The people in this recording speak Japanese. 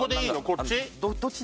こっち？